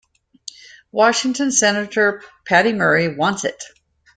Washington senator Patty Murray wants it.